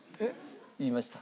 言いました。